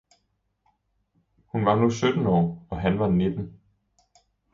Hun var nu sytten år og han var nitten.